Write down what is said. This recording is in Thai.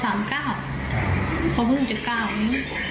ต่อ๓ก้าวเขาเพิ่งจะก้าวนี้